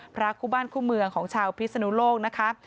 พระคู่บ้านคู่เมืองของชาวพิศนุโลกนะคะ